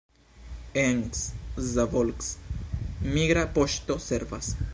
En Szabolcs migra poŝto servas.